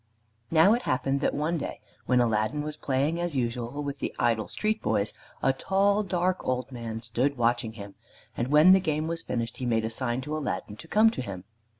Now it happened that one day when Aladdin was playing as usual with the idle street boys, a tall, dark, old man stood watching him, and when the game was finished he made a sign to Aladdin to come to him.